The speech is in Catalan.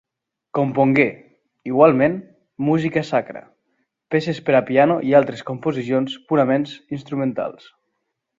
Compongué, igualment, música sacra, peces per a piano i altres composicions purament instrumentals.